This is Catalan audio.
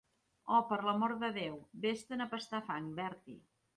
Oh, per l'amor de Déu, ves-te'n a pastar fang, Bertie!